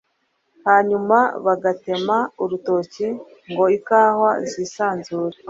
hanyuma bagatema urutoke ngo ikawa zisanzure